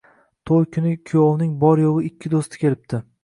Toʻy kuni kuyovning bor-yoʻgʻi ikki doʻsti kelibdi.